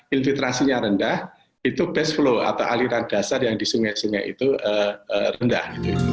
infiltrasinya rendah itu base flow atau aliran dasar yang di sungai sungai itu rendah